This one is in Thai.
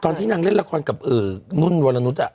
ตอนที่นางเล่นละครกับเอ่อนุ่นวรรณุฑอ่ะ